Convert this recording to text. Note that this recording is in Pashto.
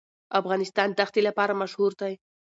افغانستان د ښتې لپاره مشهور دی.